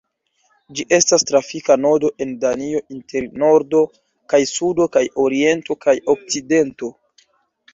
Ĝi estas trafika nodo en Danio inter nordo kaj sudo kaj oriento kaj okcidento.